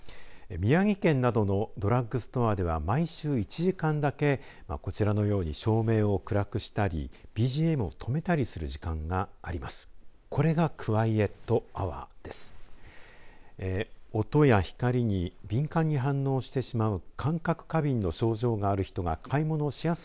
宮城県などのドラッグストアでは毎週１時間だけこちらのように照明を暗くしたりＢＧＭを止めたりする時間があります。